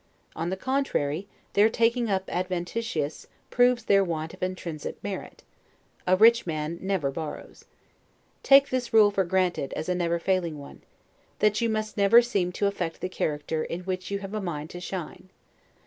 On the contrary, their taking up adventitious, proves their want of intrinsic merit; a rich man never borrows. Take this rule for granted, as a never failing one: That you must never seem to affect the character in which you have a mind to shine.